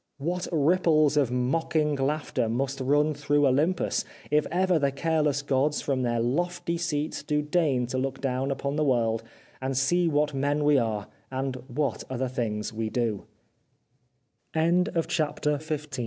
What ripples of mocking laughter must run through Olympus if ever the careless gods from their lofty seats do deign to look down upon the world and see what men we are and what ar